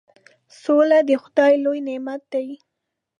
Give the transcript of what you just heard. سوله د خدای لوی نعمت دی.